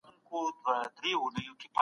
د پخوانيو عالمانو نظرونه مه هېروئ.